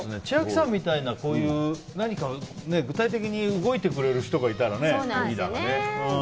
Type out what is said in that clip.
千秋さんみたいな、こういう何か具体的に動いてくれる人がいたらね。